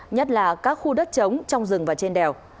nhất là các khu đất trống trong rừng và trên đèo